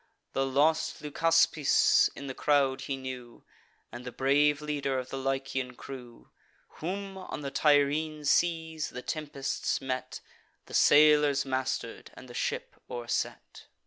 The lost Leucaspis in the crowd he knew, And the brave leader of the Lycian crew, Whom, on the Tyrrhene seas, the tempests met; The sailors master'd, and the ship o'erset.